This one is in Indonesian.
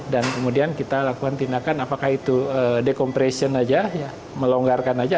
dan kemudian kita lakukan tindakan apakah itu decompression saja melonggarkan saja